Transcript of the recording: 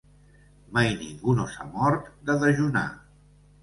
Mai ningú no s'ha mort de dejunar.